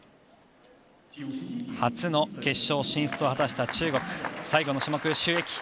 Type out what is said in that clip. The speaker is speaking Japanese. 初の決勝進出を果たした中国、最後の種目、朱易。